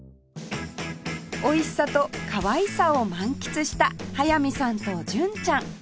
美味しさとかわいさを満喫した速水さんと純ちゃん